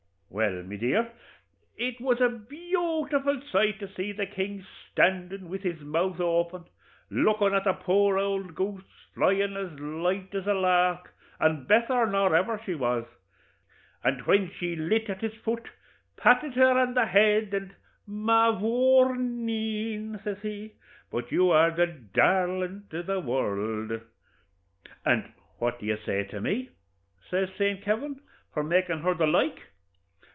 "Well, my dear, it was a beautiful sight to see the king standin' with his mouth open, lookin' at his poor ould goose flyin' as light as a lark, and betther nor ever she was: and when she lit at his fut, patted her an the head, and, 'Ma vourneen,' says he, 'but you are the darlint o' the world.' 'And what do you say to me,' says Saint Kavin, 'for makin' her the like?'